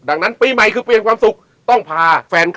ดังนั้นปีใหม่คือปีแห่งความสุข